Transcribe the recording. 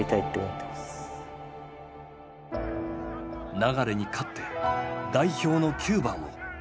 流に勝って代表の９番を。